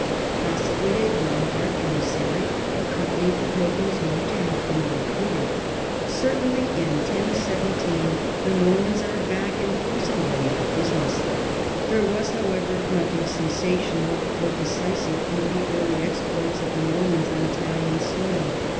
Possibly a Lombard emis sary accompanied the pilgrims home to help in the re cruiting; certainly in 1017 the Normans are back in force and ready for business. There was, however, nothing sensational or decisive in the early exploits, of the Normans on Italian soil.